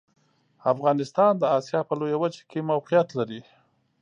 افغانستان د اسیا په لویه وچه کې موقعیت لري.